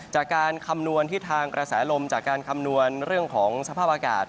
คำนวณที่ทางกระแสลมจากการคำนวณเรื่องของสภาพอากาศ